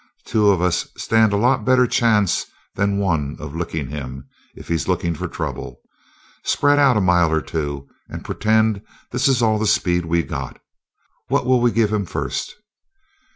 Two of us stand a lot better chance than one of licking him if he's looking for trouble. Spread out a mile or two, and pretend this is all the speed we've got. What'll we give him first?"